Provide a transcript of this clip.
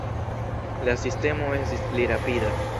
La sistemo estis pli rapida.